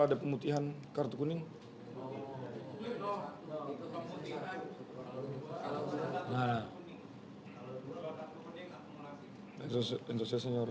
jadi jika tarjeta diberi di semifinal